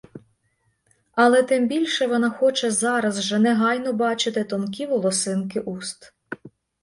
Але тим більше вона хоче зараз же, негайно бачити тонкі волосинки уст!